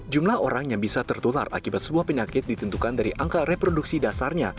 jumlah orang yang bisa tertular akibat sebuah penyakit ditentukan dari angka reproduksi dasarnya